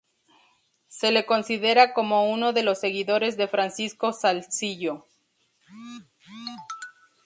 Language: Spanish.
Se le considera como uno de los seguidores de Francisco Salzillo.